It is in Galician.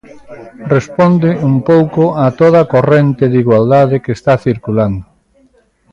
Responde un pouco a toda a corrente de igualdade que está circulando.